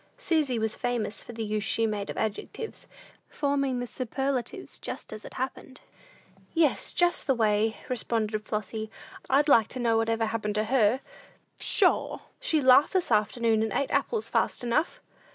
Susy was famous for the use she made of adjectives, forming the superlatives just as it happened. "Yes, just the way," responded Flossy. "I'd like to know what ever happened to her? Pshaw! She laughed this afternoon, and ate apples fast enough!"